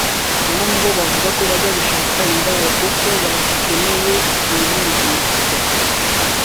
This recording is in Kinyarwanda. Abandi bo bavuga ko bajya gushaka indaya kuko bakeneye kunezerwa